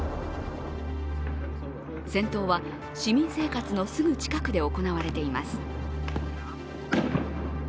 戦闘は市民生活のすぐ近くで行われています。